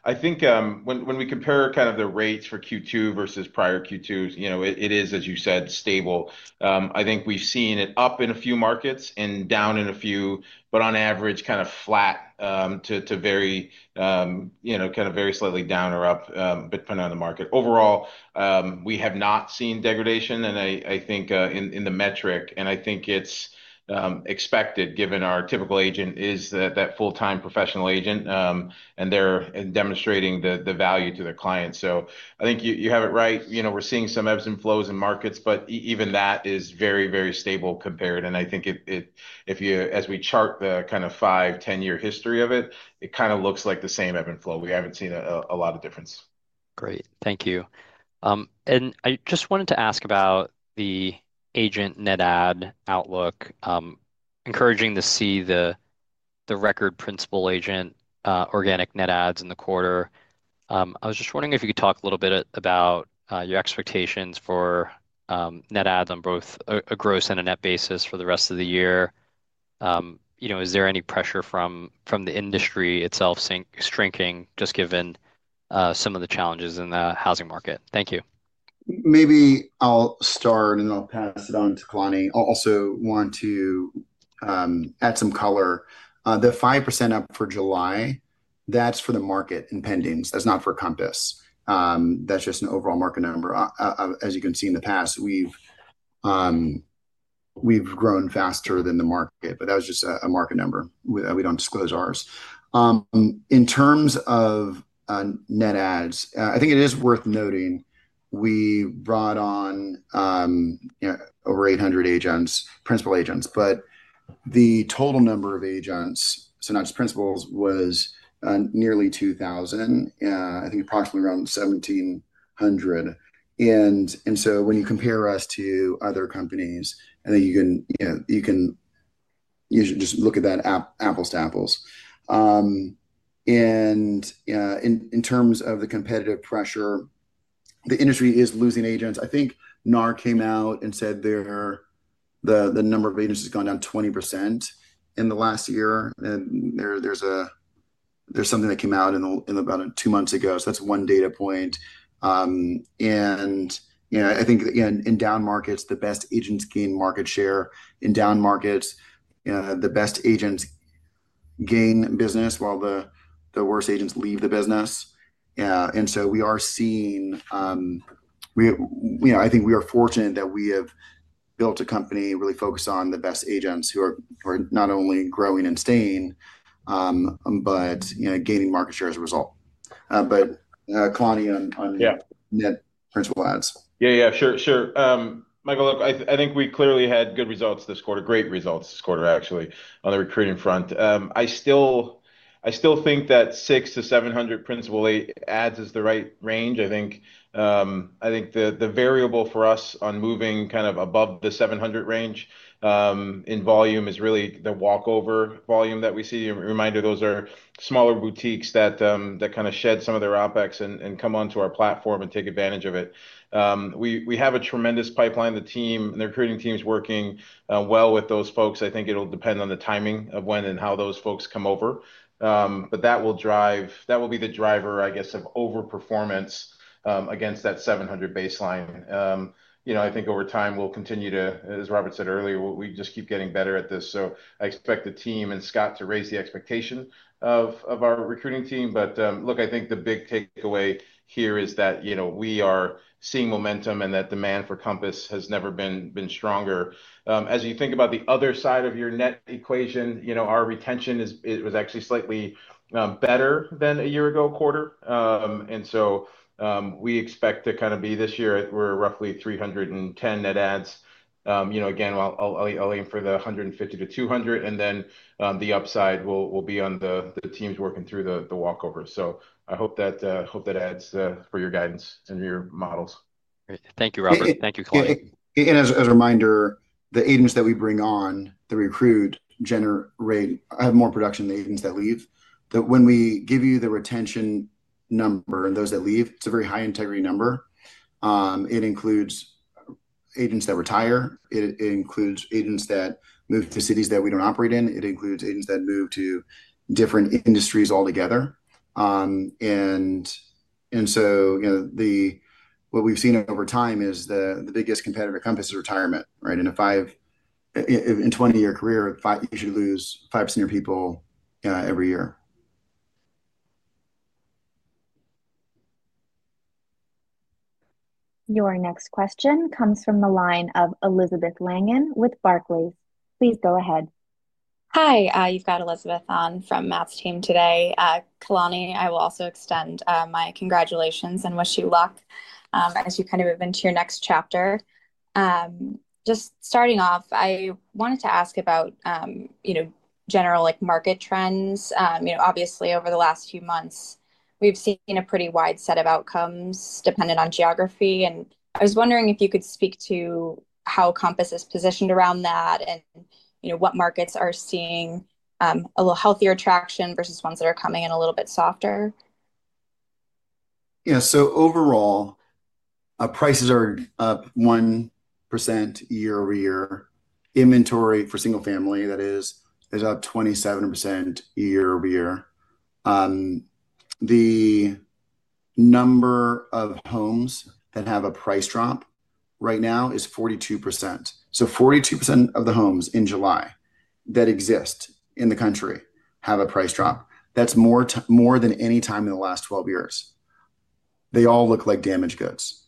I think when we compare kind of the rates for Q2 versus prior Q2, you know, it is, as you said, stable. I think we've seen it up in a few markets and down in a. Few, but on average, kind of flat. To very slightly down or up, depending on the market overall, we have not seen degradation in the metric, and I think it's expected given our typical agent is that full-time professional agent, and they're demonstrating the value to their clients. I think you have it right. We're seeing some ebbs and flows in markets, but even that is very stable compared. If you chart the kind of 5, 10 year history of it, it kind of looks like the same ebb and flow. We haven't seen a lot of difference. Great, thank you. I just wanted to ask about the agent net add outlook. Encouraging to see the record Principal Agent organic net adds in the quarter. I was just wondering if you could talk a little bit about your expectations for net adds on both a gross and a net basis for the rest of the year. Is there any pressure from the industry itself shrinking just given some of the challenges in the housing market. Thank you. Maybe I'll start and I'll pass it on to Kalani. Also want to add some color. The 5% up for July, that's for the market in pendings, that's not for Compass, that's just an overall market number. As you can see, in the past we've grown faster than the market, but that was just a market number. We don't disclose ours. In terms of net ads, I think it is worth noting we brought on over 800 agents, Principal Agents, but the total number of agents, so not just principals, was nearly 2,000, I think approximately around 1,700. When you compare us to other companies, I think you should just look at that apples to apples. In terms of the competitive pressure, the industry is losing agents. I think NAR came out and said the number of agents has gone down 20% in the last year, and there was something that came out about two months ago. That's one data point. In down markets, the best agents gain market share. In down markets, the best agents gain business while the worst agents leave the business. We are seeing, I think we are fortunate that we have built a company really focused on the best agents who are not only growing and staying but gaining market share as a result. Kalani, on net principal ads. Yeah, sure, Michael. Look, I think we clearly had good results this quarter. Great results this quarter. Actually, on the recruiting front, I still think that 600 to 700 Principal Agent adds is the right range. I think the variable for us on moving kind of above the 700 range in volume is really the Walkover Volume that we see. Reminder, those are smaller boutiques that kind of shed some of their OpEx and come onto our platform and take advantage of it. We have a tremendous pipeline. The recruiting team is working well with those folks. I think it'll depend on the timing of when and how those folks come over. That will drive, that will be the driver, I guess, of overperformance against that 700 baseline. I think over time we'll. Continue to, as Robert said earlier, we just keep getting better at this. I expect the team and Scott to raise the expectation of our recruiting team. I think the big takeaway here is that we are seeing momentum and that demand for Compass has never been stronger. As you think about the other side of your net equation, our retention was actually slightly better than a year-ago quarter, and we expect to kind of be this year. We're roughly 310 net adds. I'll aim for the 150 to 200, and the upside will be on the teams working through the walkover. I hope that adds for your guidance and your models. Thank you, Robert. Thank you. As a reminder, the agents that we bring on the recruit generate have more production than that. Leave that when we give you the. Retention number and those that leave, it's a very high integrity number. It includes agents that retire. It includes agents that move to cities that we don't operate in. It includes agents that move to different industries altogether. What we've seen over time is the biggest competitor Compass is retirement. In a 20 year career, you should lose 5% of your people every year. Your next question comes from the line of Elizabeth Langan with Barclays. Please go ahead. Hi, you've got Elizabeth on from Matt's team today. Kalani, I will also extend my congratulations and wish you luck as you kind of move into your next chapter. Just starting off, I wanted to ask about general market trends. Obviously, over the last few months we've seen a pretty wide set of outcomes dependent on geography. I was wondering if you could speak to how Compass is positioned around that, and what markets are seeing a little healthier traction versus ones that are coming in a little bit softer. Yeah. Overall, prices are up 1% year over year. Inventory for single family, that is, is up 27% year over year. The number of homes that have a price drop right now is 42%. So 42% of the homes in July that exist in the country have a price drop. That's more than any time in the last 12 years. They all look like damaged goods.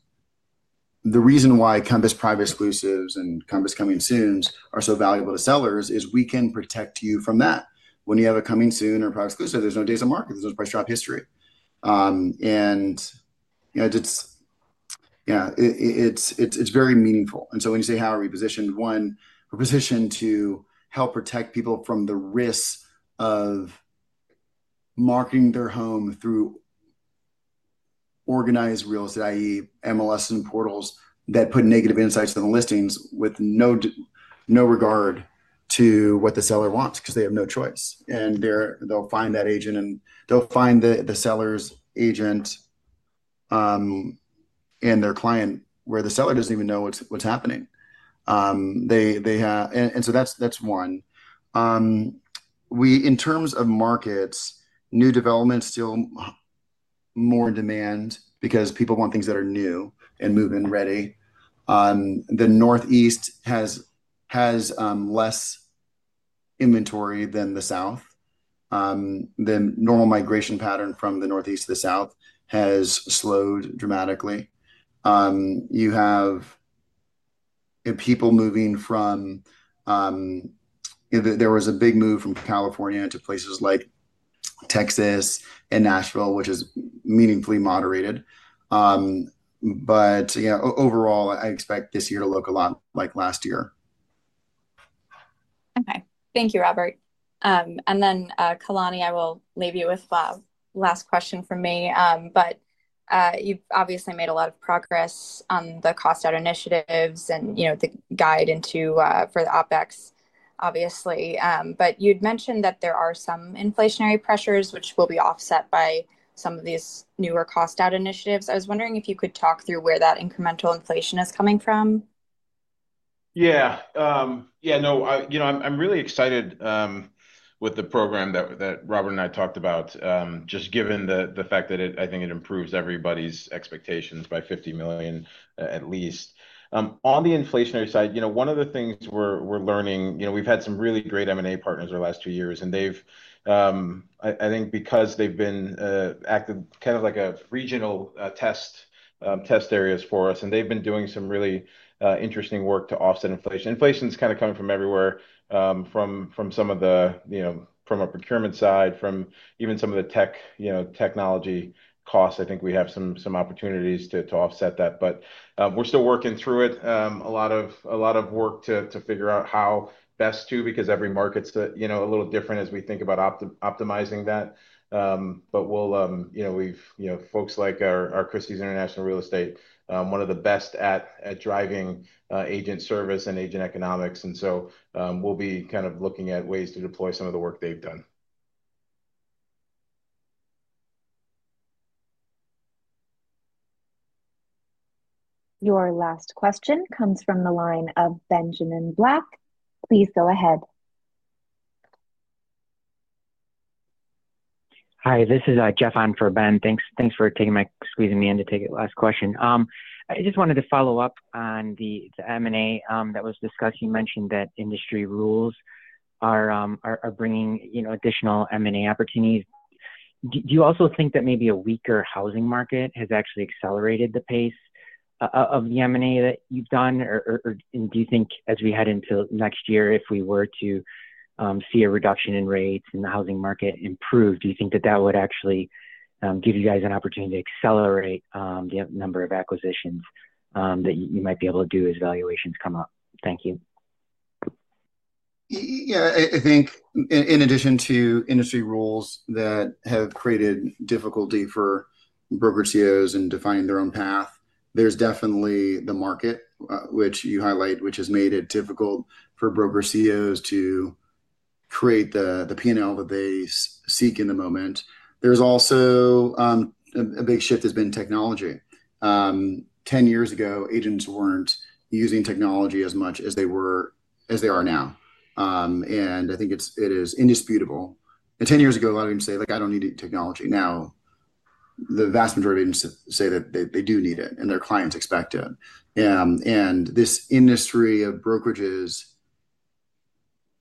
The reason why Compass Private Exclusives and Compass Coming Soon are so valuable to sellers is we can protect you from that. When you have a Coming Soon or Private Exclusive, there's no days on market, there's no price drop history. It's very meaningful. When you say how are we positioned, one, we're positioned to help protect people from the risk of marking their home through organized real estate, i.e., MLSs and portals that put negative insights on the listings with no regard to what the seller wants because they have no choice. They'll find that agent and they'll find the seller's agent and their client where the seller doesn't even know what's happening. In terms of markets, new developments are still more in demand because people want things that are new and move-in ready. The Northeast has less inventory than the South. The normal migration pattern from the Northeast to the South has slowed dramatically. People moving from. There was a big move from California to places like Texas and Nashville, which has meaningfully moderated. Overall, I expect this year to look a lot like last year. Okay, thank you, Robert. Kalani, I will leave you with last question from me. You've obviously made a lot of progress on the cost out initiatives and guide into for the OpEx obviously. You'd mentioned that there are some inflationary pressures which will be offset by some of these newer cost out initiatives. I was wondering if you could talk through where that incremental inflation is coming from. Yeah, no, you know, I'm really excited with the program that Robert and I talked about. Just given the fact that it, I think it improves everybody's expectations by $50 million at least on the inflationary side. One of the things we're learning, we've had some really great M&A partners over the last few years and I think because they've acted kind of like regional test areas for us and they've been doing some really interesting work to offset inflation. Inflation is kind of coming from everywhere, from the procurement side, from even some of the technology costs. I think we have some opportunities to offset that. We're still working through it. A lot of work to figure out how best to, because every market's a little different as we think about optimizing that. We've had folks like our Christie's International Real Estate, one of the best at driving agent service and agent economics. We'll be kind of looking at ways to deploy some of the work they've done. Your last question comes from the line of Jay Jeffries. Please go ahead. Hi, this is Jay Jeffries for Bank of America. Thanks for taking my question. I just wanted to follow up on the M&A that was discussed. You mentioned that industry rules are bringing additional M&A opportunities. Do you also think that maybe a weaker housing market has actually accelerated the pace of the M&A that you've done, or do you think as we head into next year, if we were to see a reduction in rates and the housing market improve, do you think that would actually give you guys an opportunity to accelerate the number of acquisitions that you might be able to do as valuations come up? Thank you. Yeah, I think in addition to industry rules that have created difficulty for broker CEOs in defining their own path, there's definitely the market, which you highlight, which has made it difficult for broker CEOs to create the P&L that they seek in the moment. There's also a big shift that has been technology. Ten years ago, agents weren't using technology as much as they are now. I think it is indisputable. Ten years ago, a lot of them said, like, I don't need technology. Now the vast majority say that they do need it, and their clients expect it in this industry of brokerages.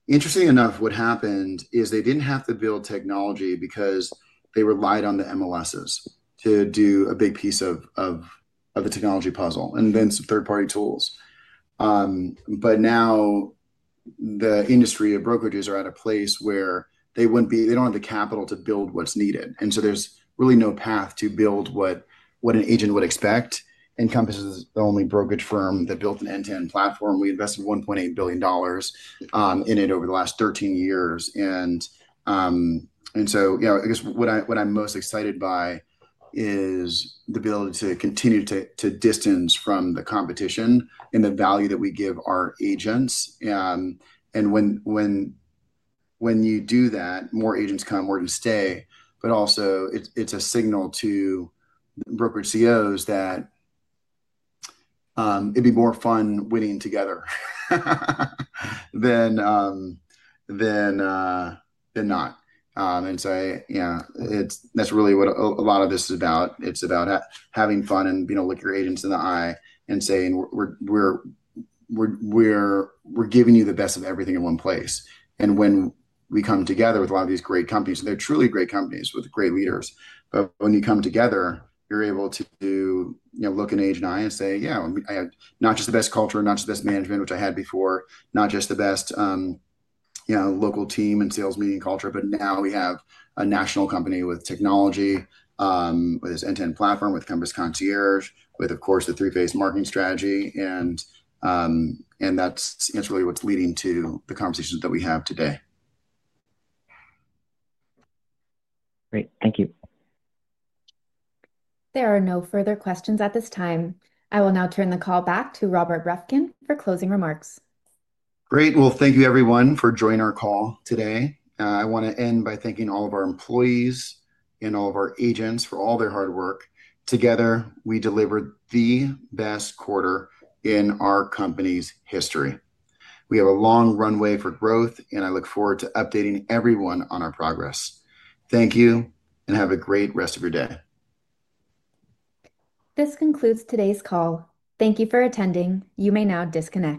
Interesting enough. What happened is they didn't have to build technology because they relied on the MLSs to do a big piece of the technology puzzle and then some third party tools. Now the industry of brokerages are at a place where they wouldn't be, they don't have the capital to build what's needed, and so there's really no path to build what an agent would expect in Compass. The only brokerage firm that built an end-to-end platform, we invested $1.8 billion in it over the last 13 years. I guess what I'm most excited by is the ability to continue to distance from the competition and the value that we give our agents. When you do that, more agents come, we're going to stay. Also, it's a signal to brokerage companies that it'd be more fun winning together than, than. Not. That is really what a lot of this is about. It is about having fun and looking your agents in the eye and saying. We'Re. Giving you the best of everything in one place. When we come together with a lot of these great companies, they're truly great companies with great leaders. When you come together, you're able to look in each other’s eyes and say, yeah, not just the best culture, not just the best management which I had before, not just the best local team and sales meeting culture, but now we have a national company with technology with this end-to-end platform, with Compass Concierge, with, of course, the Three Phase Marketing strategy. That's really what's leading to the conversations that we have today. Great, thank you. There are no further questions at this time. I will now turn the call back to Robert Reffkin for closing remarks. Great. Thank you everyone for joining our call today. I want to end by thanking all. Of our employees and all of our. Agents for all their hard work. Together, we delivered the best quarter in our company's history. We have a long runway for growth. I look forward to updating everyone on our progress. Thank you, and have a great rest of your day. This concludes today's call. Thank you for attending. You may now disconnect.